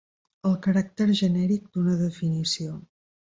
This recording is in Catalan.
El caràcter genèric d'una definició.